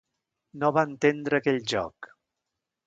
No va entendre aquell joc...